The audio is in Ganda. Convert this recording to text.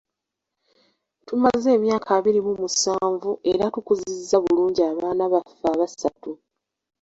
Tumaze emyaka abiri mu musanvu era tukuzizza bulungi abaana baffe abasatu.